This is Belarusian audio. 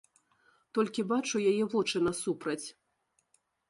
Толькі бачу яе вочы насупраць.